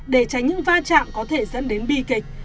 để tránh những va chạm có thể dẫn đến bi kịch